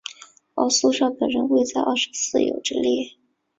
但苏绍本人未在二十四友之列。